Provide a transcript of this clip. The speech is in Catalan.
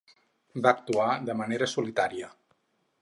Va actuar de manera solitària.